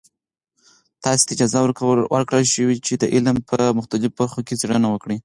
تاسې ته اجازه ورکړل شوې چې د علم په مختلفو برخو کې څیړنې وکړئ.